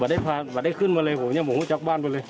บรรยาภาพไม่ได้ขึ้นมาเลยผมเนี่ยผมขึ้นจากบ้านไปเลย